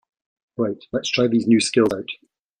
Right, lets try these new skills out!